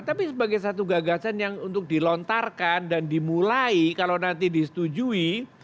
tapi sebagai satu gagasan yang untuk dilontarkan dan dimulai kalau nanti disetujui